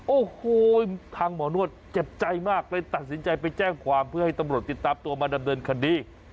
โอ้โหทางหมอนวดเจ็บใจมากเลยตัดสินใจไปแจ้งความเพื่อให้ตำรวจติดตามตัวมาดำเนินคดี